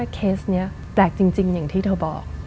เคสนี้แปลกจริงอย่างที่เธอบอก